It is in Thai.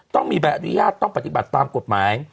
ต้องมีใบอนุญาตต้องปฏิบัติตามกฎหมาย